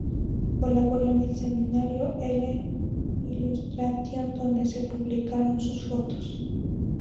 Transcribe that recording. Colaboró en el semanario "L'Illustration", donde se publicaron sus fotos.